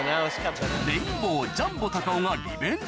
レインボー・ジャンボたかおがリベンジ